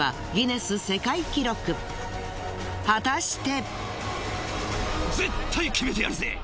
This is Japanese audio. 果たして！？